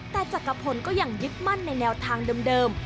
แต่จักรพลก็ยังยึดมั่นในแนวทางเดิม